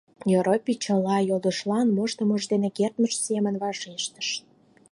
Йоропий чыла йодышлан моштымыж да кертмыж семын вашештыш.